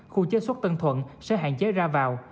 khu chế xuất tân thuận sẽ hạn chế ra vào